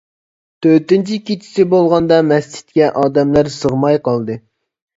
تۆتىنچى كېچىسى بولغاندا مەسچىتكە ئادەملەر سىغماي قالدى.